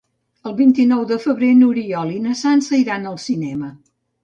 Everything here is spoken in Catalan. El vint-i-nou de febrer n'Oriol i na Sança iran al cinema.